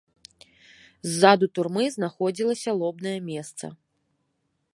Ззаду турмы знаходзілася лобнае месца.